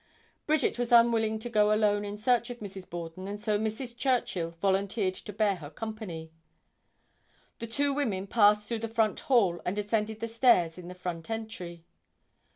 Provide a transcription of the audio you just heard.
Bridget was unwilling to go alone in search of Mrs. Borden and so Mrs. Churchill volunteered to bear her company. The two women passed through the front hall and ascended the stairs in the front entry.